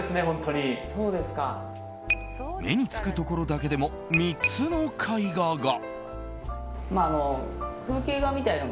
目につくところだけでも３つの絵画が。